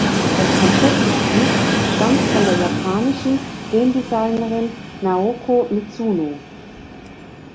Das Konzept des Spiels stammt von der japanischen Game Designerin Naoko Mizuno.